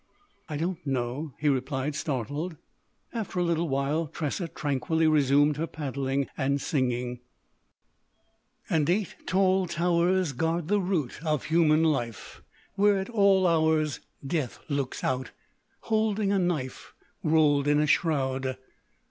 "I don't know," he replied, startled. After a little while Tressa tranquilly resumed her paddling and singing: "—And eight tall towers Guard the route Of human life, Where at all hours Death looks out, Holding a knife _Rolled in a shroud.